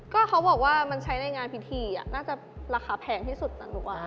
ก็เขาบอกว่ามันใช้ในงานพิธีน่าจะราคาแพงที่สุดแต่หนูว่า